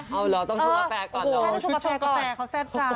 เอาเหรอต้องชงกาแฟก่อนเหรอชุมกาแฟเขาแซ่บจ้า